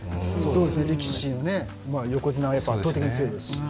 力士も、横綱は圧倒的に強いですしね。